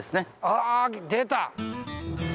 あ出た！